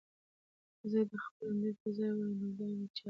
که زه د خپرندوی په ځای وای نو دا مې نه چاپوه.